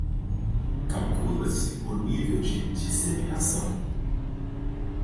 Calcula-se o nível de disseminação